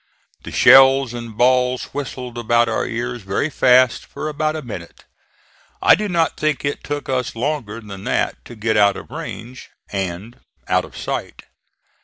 The shells and balls whistled about our ears very fast for about a minute. I do not think it took us longer than that to get out of range and out of sight.